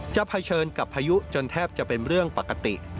เผชิญกับพายุจนแทบจะเป็นเรื่องปกติ